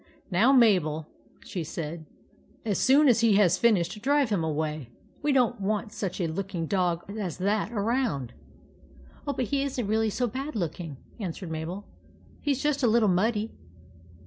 " Now, Mabel," she said, " as soon as he has finished, drive him away. We don't want such a looking dog as that around." " Oh, he is n't really so bad looking," an swered Mabel. " He 's just a little muddy."